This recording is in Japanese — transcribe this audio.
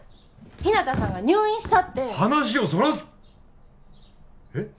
日向さんが入院したって話をそらすえっ！？